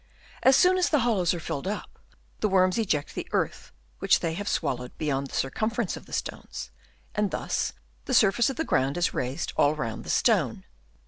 As soon as the hollows are filled up, the worms eject the earth which they have swallowed beyond the circumference of the stones ; and thus the surface of the ground is raised all round the stone.